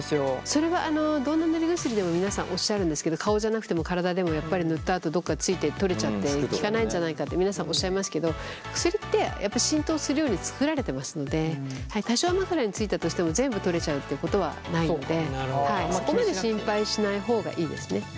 それはどんな塗り薬でも皆さんおっしゃるんですけど顔じゃなくても体でもやっぱり塗ったあとどこかついて取れちゃって効かないんじゃないかって皆さんおっしゃいますけど薬ってやっぱり浸透するように作られてますので多少枕についたとしても全部取れちゃうっていうことはないのでそこまで心配しない方がいいですね。